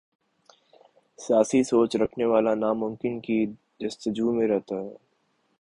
سیاسی سوچ رکھنے والا ناممکن کی جستجو میں رہتا ہے۔